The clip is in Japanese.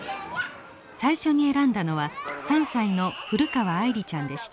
最初に選んだのは３歳のフルカワアイリちゃんでした。